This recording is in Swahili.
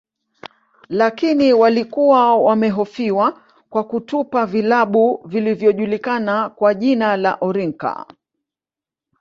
Lakini walikuwa wamehofiwa kwa kutupa vilabu vilvyojulikana kwa jina la orinka